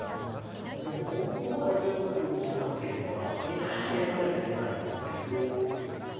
でも本当は６四角５三桂とかとにかく桂馬で攻めたいんですけれど。